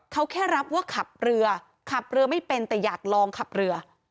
เขาแค่รับว่าขับเรือขับเรือไม่เป็นแต่อยากลองขับเรือ